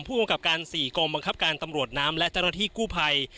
ผู้กำกับการ๔กองบังคับการตำรวจน้ำและเจ้าหน้าที่กู้ภัย